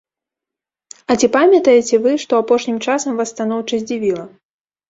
А ці памятаеце вы, што апошнім часам вас станоўча здзівіла?